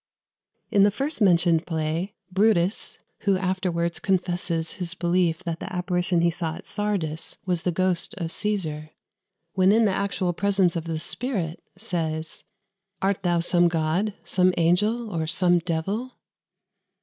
In the first mentioned play, Brutus, who afterwards confesses his belief that the apparition he saw at Sardis was the ghost of Caesar, when in the actual presence of the spirit, says "Art thou some god, some angel, or some devil?"